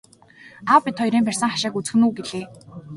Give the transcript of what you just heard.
Аав бид хоёрын барьсан хашааг үзэх нь үү гэлээ.